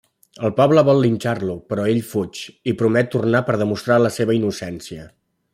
El poble vol linxar-lo, però ell fuig i promet tornar per demostrar la seva innocència.